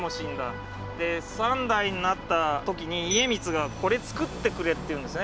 で３代になった時に家光がこれ造ってくれって言うんですね。